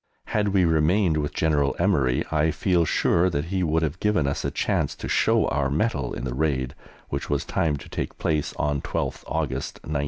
Had we remained with General Emery, I feel sure that he would have given us a chance to show our mettle in the raid which was timed to take place on 12th August, 1918.